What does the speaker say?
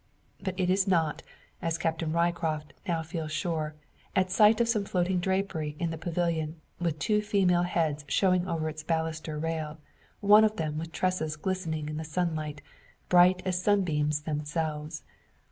But it is not, as Captain Ryecroft now feels sure, at sight of some floating drapery in the pavilion, with two female heads showing over its baluster rail; one of them with tresses glistening in the sunlight, bright as sunbeams themselves.